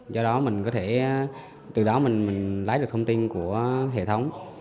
do đó mình có thể từ đó mình lấy được thông tin của hệ thống